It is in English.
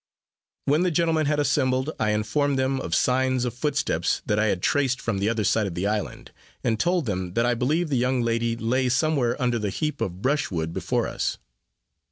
When the gentlemen had assembled, I informed them of signs of footsteps that I had traced from the other side of the island; and told them that I believed the young lady lay somewhere under the heap of brushwood before us.